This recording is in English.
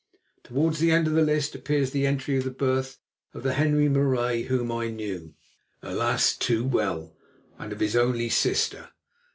Towards the end of the list appears the entry of the birth of the Henri Marais whom I knew, alas! too well, and of his only sister.